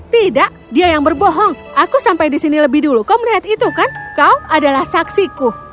tidak dia yang berbohong aku sampai di sini lebih dulu kau melihat itu kan kau adalah saksiku